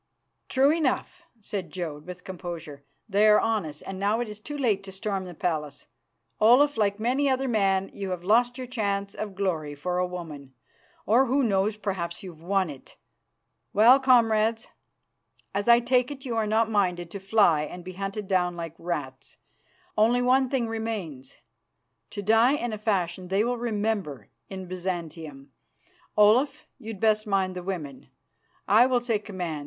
"True enough," said Jodd, with composure. "They are on us, and now it is too late to storm the palace. Olaf, like many another man, you have lost your chance of glory for a woman, or, who knows, perhaps you've won it. Well, comrades, as I take it you are not minded to fly and be hunted down like rats, only one thing remains to die in a fashion they will remember in Byzantium. Olaf, you'd best mind the women; I will take command.